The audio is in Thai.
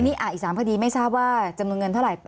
นี่อีก๓คดีไม่ทราบว่าจำนวนเงินเท่าไหร่